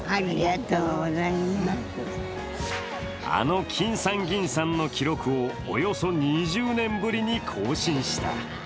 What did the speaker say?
あの金さん銀さんの記録をおよそ２０年ぶりに更新した。